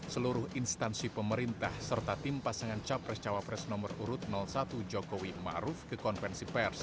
seluruh instansi pemerintah serta tim pasangan capres cawapres nomor urut satu jokowi maruf ke konvensi pers